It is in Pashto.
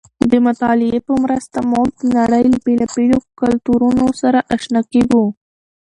د مطالعې په مرسته موږ د نړۍ له بېلابېلو کلتورونو سره اشنا کېږو.